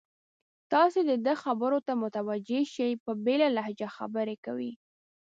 تاسې د ده خبرو ته متوجه شئ، په بېله لهجه خبرې کوي.